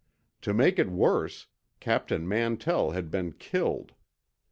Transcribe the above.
To make it worse, Captain Mantell had been killed.